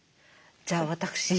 じゃあ私